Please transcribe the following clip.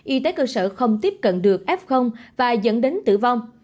y tế cơ sở không tiếp cận được f và dẫn đến tử vong